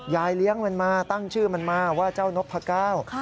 เลี้ยงมันมาตั้งชื่อมันมาว่าเจ้านกพะเก้า